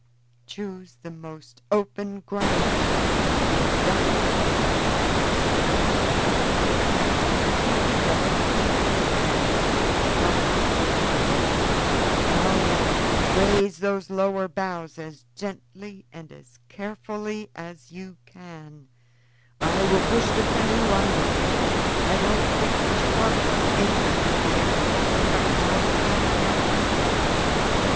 Choose the most open ground, as that is the hardest." In about a hundred yards they came upon a large clump of bushes. "Now, Nelly, raise those lower boughs as gently and as carefully as you can. I will push the canoe under. I don't think the sharpest Indian will be able to take up our track now."